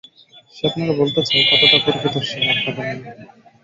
সে আপনাকে বলতে চায়, কতোটা গর্বিত সে আপনাকে নিয়ে।